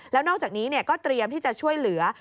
แล้วนอกจากนี้ก็เตรียมที่จะช่วยเหลือ